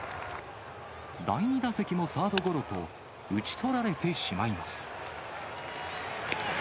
第２打席もサードゴロと、打ち取られてしまいます。